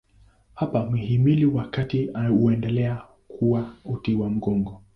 Hapa mhimili wa kati unaendelea kuwa uti wa mgongo.